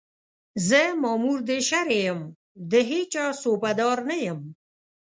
زه مامور د شرعي یم، د هېچا صوبه دار نه یم